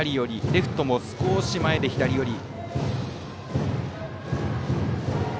レフトも少し前で左寄り。